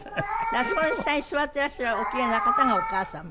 あそこの下に座ってらっしゃるおキレイな方がお母様？